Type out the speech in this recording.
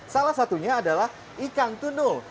salah satunya adalah ikan tunul